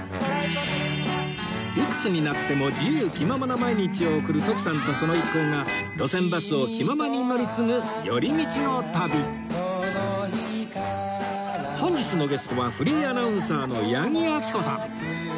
いくつになっても自由気ままな毎日を送る徳さんとその一行が路線バスを気ままに乗り継ぐ寄り道の旅本日のゲストはフリーアナウンサーの八木亜希子さん